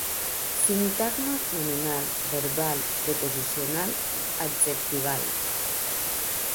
Sintagma nominal, verbal, preposicional, adjectival.